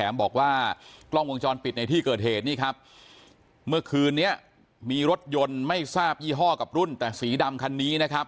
เมื่อคืนนี้มีรถยนต์ไม่ทราบยี่ห้อกับรุ่นแต่สีดำคันนี้